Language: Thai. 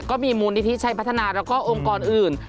ก็มีมูลนิธิชัยพัฒนาแล้วก็องค์กรอื่น